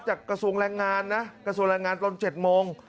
กระทรวงแรงงานนะกระทรวงแรงงานตอน๗โมง